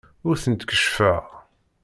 Ur tent-id-keccfeɣ.